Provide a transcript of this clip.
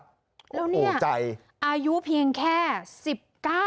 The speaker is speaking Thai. โหใจแล้วนี่อายุเพียงแค่๑๙ใช่ไหมคะ